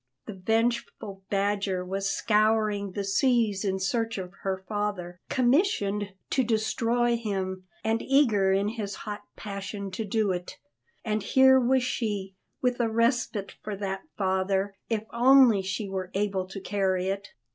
The vengeful Badger was scouring the seas in search of her father, commissioned to destroy him, and eager in his hot passion to do it; and here was she, with a respite for that father, if only she were able to carry it.